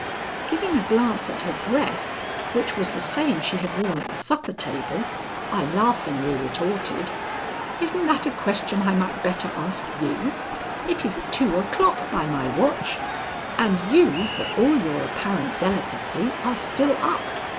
Giving a glance at her dress, which was the same she had worn at the supper table, I laughingly retorted: "Isn't that a question I might better ask you? It is two o'clock by my watch, and you, for all your apparent delicacy, are still up.